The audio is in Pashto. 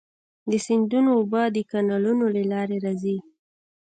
د سیندونو اوبه د کانالونو له لارې راځي.